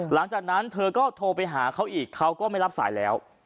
หลังจากนั้นเธอก็โทรไปหาเขาอีกเขาก็ไม่รับสายแล้ว